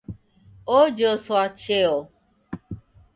Ojoswa cheo